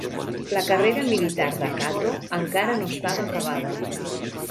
La carrera militar de Cato encara no estava acabada.